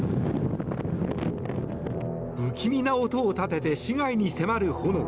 不気味な音を立てて市街に迫る炎。